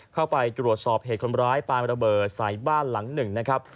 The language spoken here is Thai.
เข้าไปตรวจสอบเหตุคนร้ายปานระเบิดใส่บ้านหลังหนึ่งนะครับ